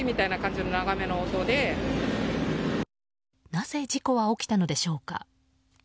なぜ事故は起きたのでしょうか。